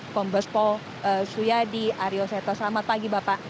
kombespo suyadi arioseto selamat pagi bapak